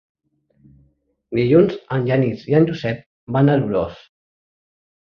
Dilluns en Genís i en Josep van a Dolors.